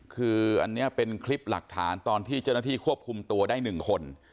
คืออันนี้เป็นคลิปหลักฐานตอนที่เจ้าหน้าที่ควบคุมตัวได้๑คน